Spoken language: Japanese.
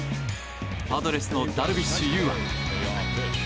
パドレスのダルビッシュ有は。